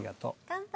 乾杯！